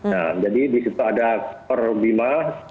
nah jadi di situ ada kor bima